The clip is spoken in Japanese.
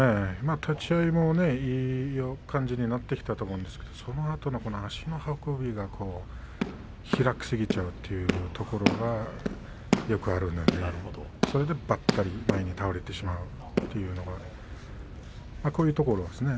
立ち合いもいい感じになってきたと思うんですけれどもそのあとの足の運びが開きすぎちゃうというところがよくあるのでそれでばったり前に倒れてしまうというのがこういうところですね